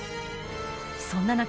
そんな中